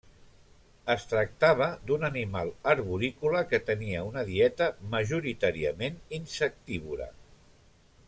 Es tractava d'un animal arborícola que tenia una dieta majoritàriament insectívora.